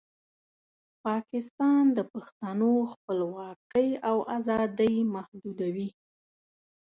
پاکستان د پښتنو خپلواکۍ او ازادۍ محدودوي.